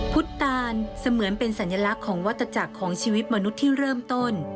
พุทธตานเสมือนเป็นสัญลักษณ์ของวัตจักรของชีวิตมนุษย์ที่เริ่มต้น